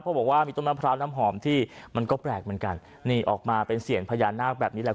เพราะบอกว่ามีต้นมะพร้าวน้ำหอมที่มันก็แปลกเหมือนกันนี่ออกมาเป็นเสียงพญานาคแบบนี้แหละ